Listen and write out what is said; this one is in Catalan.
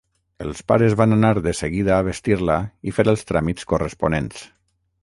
Els pares van anar de seguida a vestir-la i fer els tràmits corresponents.